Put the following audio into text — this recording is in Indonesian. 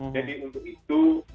jadi untuk itu